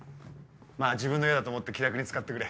まぁ自分の家だと思って気楽に使ってくれ。